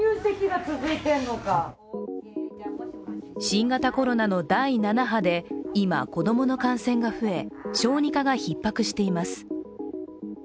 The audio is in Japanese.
新型コロナの第７波で今、子供の感染が増え、小児科がひっ迫しています。